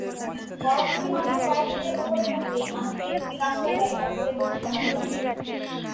বরফ থেকে মাত্র কয়েক মিটার ওপরে থাকতেই আমাকে থ্রাস্টার ব্যবহার করে গতি কমাতে হবে।